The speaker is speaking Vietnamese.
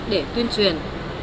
để tuyên truyền